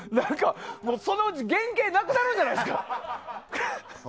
そのうち、原形がなくなるんじゃないですか。